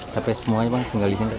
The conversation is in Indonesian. sampai semuanya bang tinggal di sini